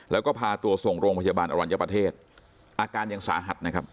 แล้วก็พาตัวส่งโรงพยาบาลอรัญญประเทศอาการยังสาหัสนะครับ